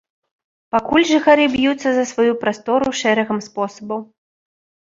Пакуль жыхары б'юцца за сваю прастору шэрагам спосабаў.